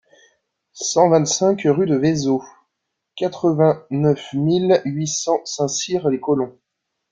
cent vingt-cinq rue du Vezeau, quatre-vingt-neuf mille huit cents Saint-Cyr-les-Colons